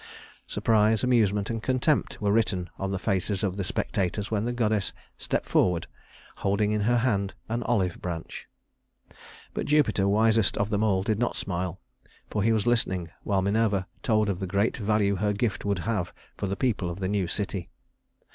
Surprise, amusement, and contempt were written on the faces of the spectators when the goddess stepped forward, holding in her hand an olive branch. But Jupiter, wisest of them all, did not smile, for he was listening while Minerva told of the great value her gift would have for the people of the new city.